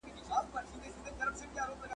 او کاهښت د نارینوو